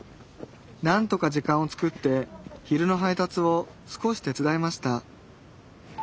何とか時間を作って昼の配達を少し手伝いました